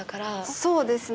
そうですね。